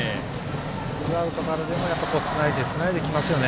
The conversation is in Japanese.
ツーアウトからでもつないでつないできますよね。